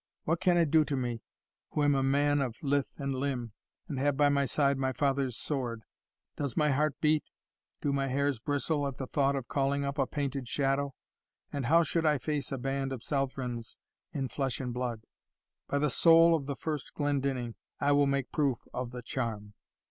What can it do to me, who am a man of lith and limb, and have by my side my father's sword? Does my heart beat do my hairs bristle, at the thought of calling up a painted shadow, and how should I face a band of Southrons in flesh and blood? By the soul of the first Glendinning, I will make proof of the charm!"